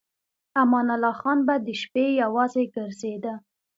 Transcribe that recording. امان الله خان به د شپې یوازې ګرځېده.